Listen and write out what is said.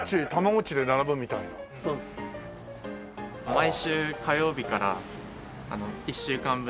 毎週火曜日から１週間分